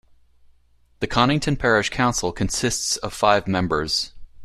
The Conington parish council consists of five members.